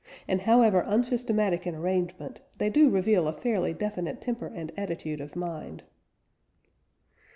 And, however unsystematic in arrangement, they do reveal a fairly definite temper and attitude of mind.